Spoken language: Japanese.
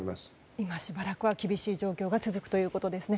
今しばらくは厳しい状況が続くということですね。